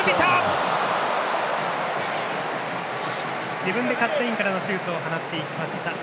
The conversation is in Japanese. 自分でカットインからのシュートを打っていきました